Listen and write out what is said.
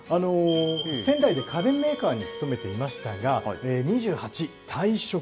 仙台で家電メーカーに勤めていましたが、２８、退職。